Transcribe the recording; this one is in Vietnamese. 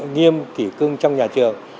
nghiêm kỷ cương trong nhà trường